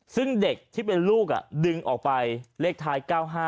ซึ่งเด็กที่เป็นลูกดึงออกไปเลขท้าย๙๕